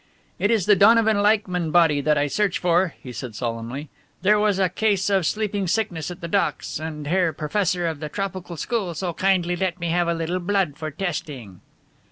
"It is the Donovan Leichmann body that I search for," he said solemnly; "there was a case of sleeping sickness at the docks, and the Herr Professor of the Tropical School so kindly let me have a little blood for testing."